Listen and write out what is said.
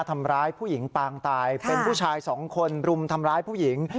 ทำร้ายผู้หญิงปางตายเป็นผู้ชายสองคนรุมทำร้ายผู้หญิง